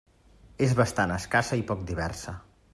És bastant escassa i poc diversa.